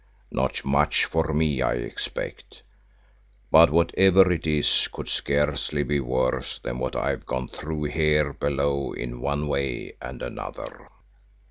Not much for me, I expect, but whatever it is could scarcely be worse than what I've gone through here below in one way and another."